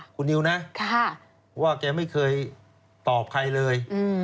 คุณนิวนะว่าแกไม่เคยตอบใครเลย